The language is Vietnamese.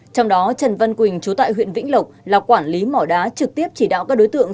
trong đó trần văn quỳnh chú tại huyện vĩnh lộc là quản lý mỏ đá trực tiếp chỉ đạo các đối tượng